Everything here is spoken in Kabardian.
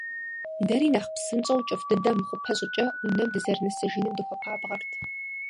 Дэри нэхъ псынщӀэу, кӀыфӀ дыдэ мыхъупэ щӀыкӀэ, унэм дызэрынэсыжыным дыхуэпабгъэрт.